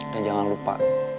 dan jangan lupa